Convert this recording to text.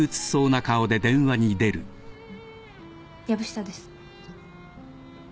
藪下です。